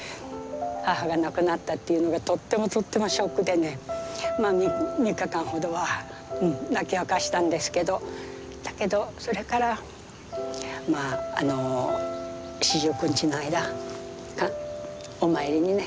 母が亡くなったっていうのがとってもとってもショックでね３日間ほどは泣き明かしたんですけどだけどそれからまあ四十九日の間お参りにね